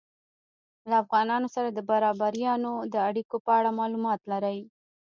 له افغانانو سره د بابریانو د اړیکو په اړه معلومات لرئ؟